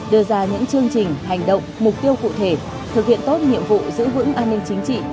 đưa ra những chương trình hành động mục tiêu cụ thể thực hiện tốt nhiệm vụ giữ vững an ninh chính trị